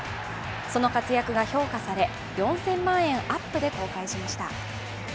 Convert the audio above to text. その活躍が評価され、４０００万円アップで更改しました。